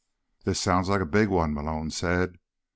"This sounds like a big one," Malone said.